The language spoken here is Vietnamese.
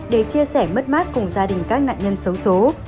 để chia sẻ mất mát cùng gia đình các nạn nhân xấu xố